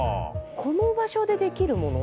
この場所でできるもの？